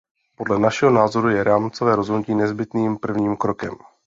Podle našeho názoru je rámcové rozhodnutí nezbytným prvním krokem.